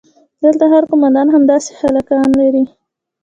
چې دلته هر قومندان همداسې هلکان لري.